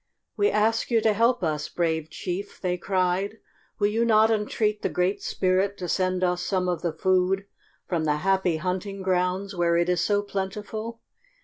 "We ask you to help us, brave chief," they cried. "Will you not entreat the Great Spirit to send us some of the food from the Happy Hunting Grounds where it is so plentiful?